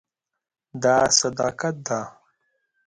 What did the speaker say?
دا صداقت ده.